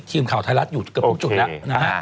ทีมข่าวไทยรัฐอยู่กระปุกจุดนะฮะ